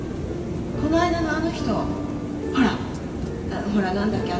この間のあの人ほらほら何だっけ？